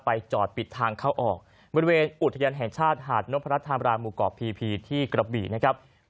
จอดปิดทางเข้าออกบริเวณอุทยานแห่งชาติหาดนพรัฐธามราหมู่เกาะพีพีที่กระบี่นะครับ